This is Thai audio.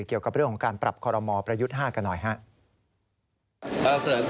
เกี่ยวกับเรื่องของการปรับคอรมอประยุทธ์๕กันหน่อยครับ